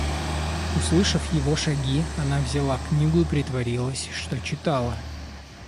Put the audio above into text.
Услышав его шаги, она взяла книгу и притворилась, что читала.